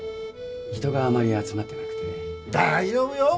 人があまり集まってなくて。大丈夫よ！